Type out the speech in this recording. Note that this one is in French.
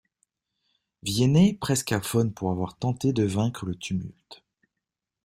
Viennet, presque aphone pour avoir tenté de vaincre le tumulte.